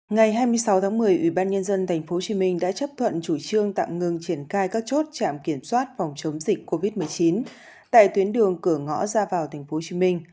ngày hai mươi sáu tháng một mươi ủy ban nhân dân tp hcm đã chấp thuận chủ trương tạm ngưng triển khai các chốt trạm kiểm soát phòng chống dịch covid một mươi chín tại tuyến đường cửa ngõ ra vào tp hcm